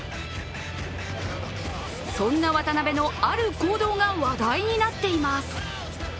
そんな渡邊のある行動が話題になっています。